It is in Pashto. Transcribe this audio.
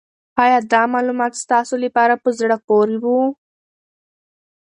آیا دا معلومات ستاسو لپاره په زړه پورې وو؟